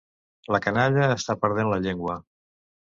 La canalla està perdent la llengua.